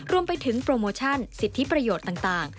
รวมไปถึงโปรโมชั่นสิทธิประโยชน์ต่าง